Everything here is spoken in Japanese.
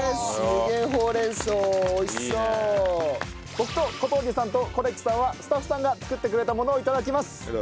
僕と小峠さんと是木さんはスタッフさんが作ってくれたものを頂きます。